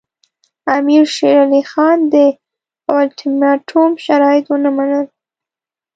امیر شېر علي خان د اولټیماټوم شرایط ونه منل.